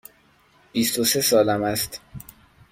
بیست و سه سالم است.